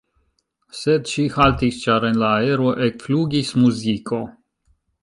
Sed ŝi haltis, ĉar en la aero ekflugis muziko.